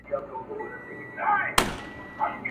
اوس و تاسو ته زامنو انتظار یو.